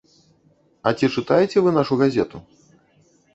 А ці чытаеце вы нашу газету?